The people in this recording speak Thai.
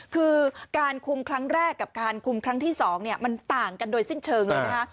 คือการคุมครั้งแรกกับการคุมครั้งที่๒มันต่างกันโดยสิ้นเชิงเลยนะคะ